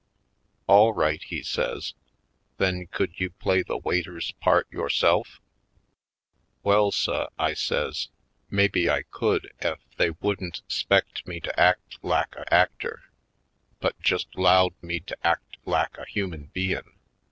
"All right," he says, "then could you play the waiter's part yourself?" "Well suh," I says, "mebbe I could ef they wouldn't 'spect me to act lak a actor but just 'lowed me to act lak a human bein'.